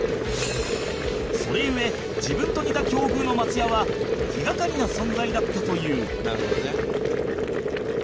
それゆえ自分と似た境遇の松也は気がかりな存在だったという